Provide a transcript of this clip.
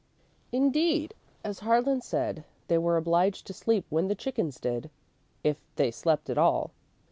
Indeed, as Harlan said, they were obliged to sleep when the chickens did if they slept at all.